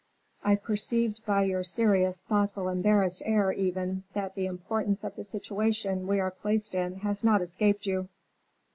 I perceived by your serious, thoughtful, embarrassed air, even, that the importance of the situation we are placed in has not escaped you.